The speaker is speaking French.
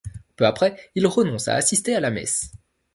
Peu après il renonce à assister à la messe.